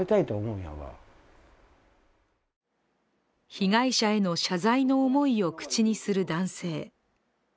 被害者への謝罪の思いを口にする男性。